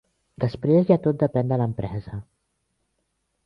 Després ja tot depèn de l'empresa.